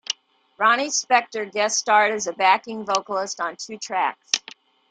Ronnie Spector guest starred as a backing vocalist on two tracks.